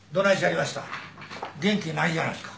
元気ないじゃないすか。